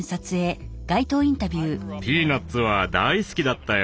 「ピーナッツ」は大好きだったよ。